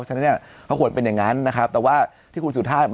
ฉะนั้นก็ควรเป็นอย่างนั้นนะครับแต่ว่าที่คุณสุธามัน